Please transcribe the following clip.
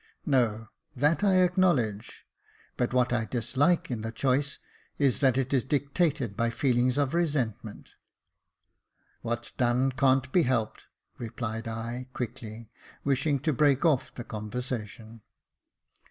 " No, that I acknowledge ; but what I dislike in the choice is that it is dictated by feelings of resentment." " What's done can't be helped^^ replied I, quickly, wishing to break off the conversation.